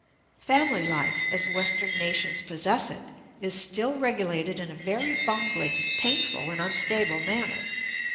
Family life, as Western nations possess it, is still regulated in a very bungling, painful, and unstable manner.